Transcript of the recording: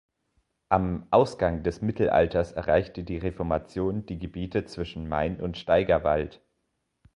Am Ausgang des Mittelalters erreichte die Reformation die Gebiete zwischen Main und Steigerwald.